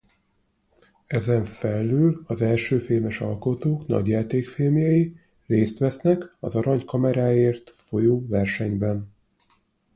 Ezen felül az elsőfilmes alkotók nagyjátékfilmjei részt vesznek az Arany kameráért folyó versenyben.